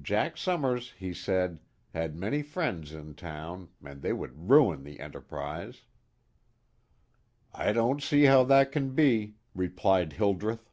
Jack Summers, he said, had many friends in town, and they would ruin the Enterprise. "I don't see how that can be," replied Hildreth.